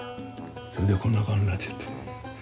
でこんな顔になっちゃって。